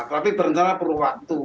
tapi berencana perlu waktu